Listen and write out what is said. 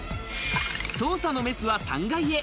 捜査のメスは３階へ。